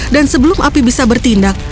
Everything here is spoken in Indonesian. dan sebelum api bisa bertindak